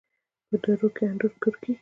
په درو کې انګور کیږي.